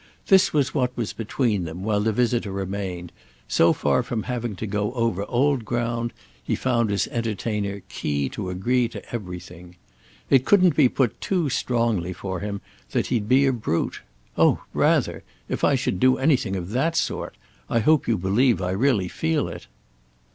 This was what was between them while the visitor remained; so far from having to go over old ground he found his entertainer keen to agree to everything. It couldn't be put too strongly for him that he'd be a brute. "Oh rather!—if I should do anything of that sort. I hope you believe I really feel it."